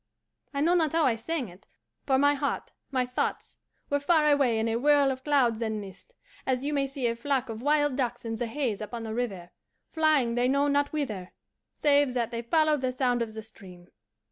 I know not how I sang it, for my heart, my thoughts, were far away in a whirl of clouds and mist, as you may see a flock of wild ducks in the haze upon a river, flying they know not whither, save that they follow the sound of the stream.